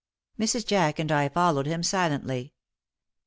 Mrs. Jack and I followed him, silently.